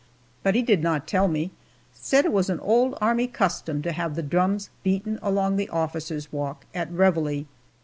But he did not tell me said it was an old army custom to have the drums beaten along the officers' walk at reveille.